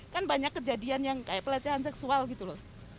kan banyak kejadian yang kayak pelecehan seksual gitu loh